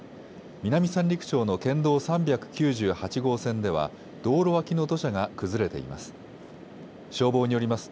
南三陸町の県道３９８号線では道路脇の土砂が崩れています。